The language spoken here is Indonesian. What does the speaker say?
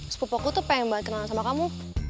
spopoku tuh pengen banget kenalan sama kamu